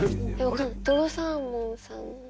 とろサーモンさん。